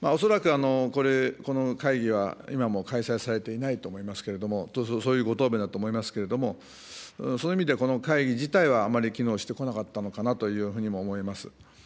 恐らく、この会議は今も開催されていないと思いますけれども、そういうご答弁だと思いますけれども、そういう意味で、この会議自体はあまり機能してこなかったのかなというふうにも思います。